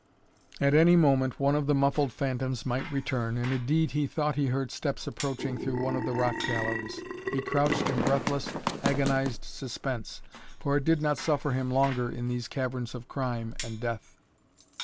At any moment one of the muffled phantoms might return, and indeed he thought he heard steps approaching through one of the rock galleries. He crouched in breathless, agonized suspense, for it did not suffer him longer in these caverns of crime and death.